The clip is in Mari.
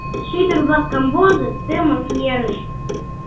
Шӱдыр-влак камвозыт тымык ерыш.